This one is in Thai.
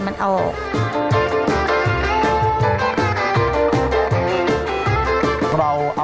ขนมตาล